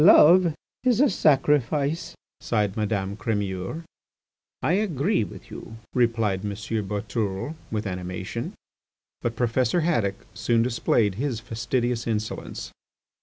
"Love is a sacrifice," sighed Madame Crémeur. "I agree with you," replied M. Boutourlé with animation. But Professor Haddock soon displayed his fastidious insolence.